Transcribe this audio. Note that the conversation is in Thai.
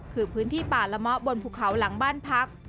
คือพื้นที่ป่าละเมาะบนภูเขาหลังบ้านพัก